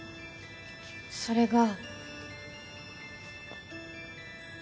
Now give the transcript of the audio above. それが。